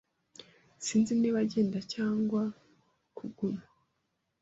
Sinzi niba agenda cyangwa kuguma.